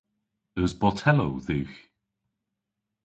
Eus botellow dhywgh?